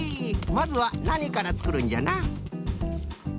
まずはなにからつくるんじゃな？